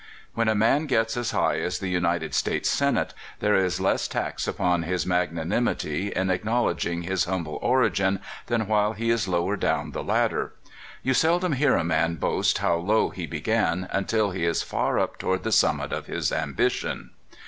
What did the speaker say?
When a man gets as high as the United States Senate, there is less tax upon his magnanimity in acknowledging his humble origin than while he is lower down the ladder. You seldom hear a man boast how low he began until he is far up toward the summit of his ambition.